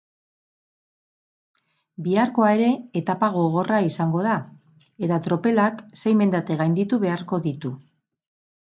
Biharkoa ere etapa gogorra izango da eta tropelak sei mendate gainditu beharko ditu.